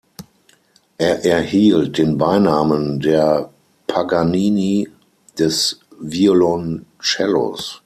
Er erhielt den Beinamen „Der Paganini des Violoncellos“.